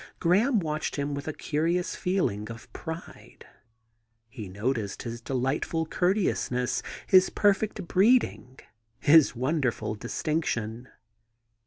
Graham watched him with a curious feeling of pride. He noticed his delightfiil courteousness, his perfect breeding, his wonderful distinction.